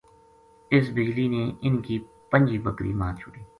اس بجلی نے اِنھ کی پنجی بکری مار چھُڑی